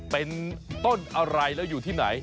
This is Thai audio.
เป็นต้นอะไรแล้วอยู่ที่ไหน